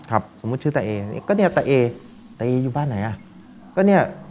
สมมุติชื่อตาเอก็เนี่ยตาเอตาเออยู่บ้านไหนอ่ะก็เนี้ย